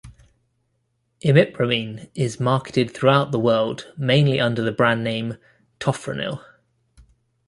Imipramine is marketed throughout the world mainly under the brand name Tofranil.